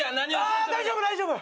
あ大丈夫大丈夫！